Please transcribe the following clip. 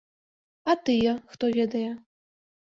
А тыя, хто ведае?